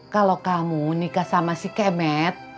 kalau kamu nikah sama si kemet